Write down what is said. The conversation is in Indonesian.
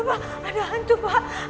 pak ada hantu pak